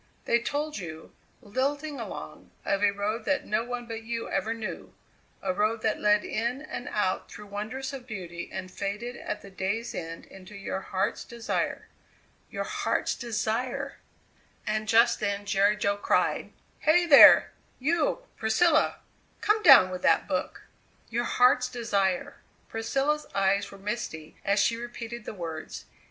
They told you, lilting along, of a road that no one but you ever knew a road that led in and out through wonders of beauty and faded at the day's end into your heart's desire. Your Heart's Desire! And just then Jerry Jo cried: "Hey, there! you, Priscilla, come down with that book." "Your Heart's Desire!" Priscilla's eyes were misty as she repeated the words.